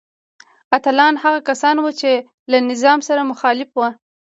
اتلان هغه کسان وو چې له نظام سره مخالف وو.